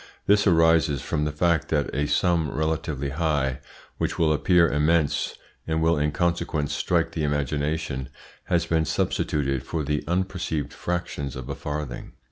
This arises from the fact that a sum relatively high, which will appear immense, and will in consequence strike the imagination, has been substituted for the unperceived fractions of a farthing.